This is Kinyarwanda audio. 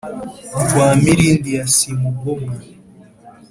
rwa mirindi ya simugomwa